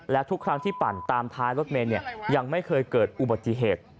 และทุกครั้งที่ปั่นตามท้ายรถเมย์ยังไม่เคยเกิดอุบัติเหตุ